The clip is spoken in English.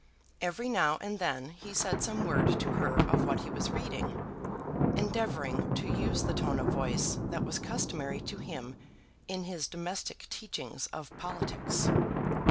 Every now and then he said some word to her of what he was reading, endeavouring to use the tone of voice that was customary to him in his domestic teachings of politics.